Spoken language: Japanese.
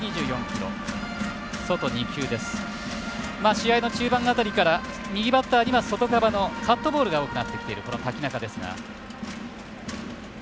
試合の中盤辺りから右バッターには、外側のカットボールが多くなっている瀧中です。